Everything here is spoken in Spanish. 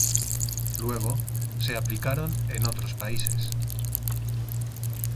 Luego se aplicaron en otros países.